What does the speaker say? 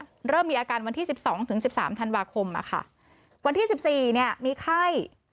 เริ่มมีอาการวันที่สิบสองถึงสิบสามธันวาคมอะค่ะวันที่สิบสี่เนี่ยมีไข้